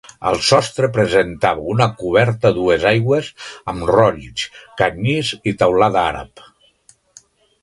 El sostre presentava una coberta a dues aigües amb rolls, canyís i teulada àrab.